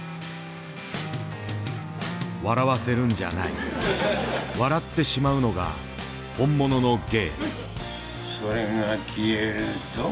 笑わせるんじゃない笑ってしまうのが本物の芸。